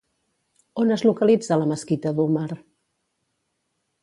On es localitza la Mesquita d'Úmar?